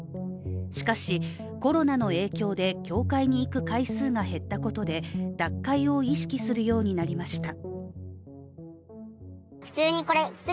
しかし、コロナの影響で教会に行く回数が減ったことで脱会を意識するようになりました。